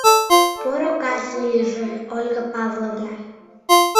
— Поро кас лийже, Ольга Павловна.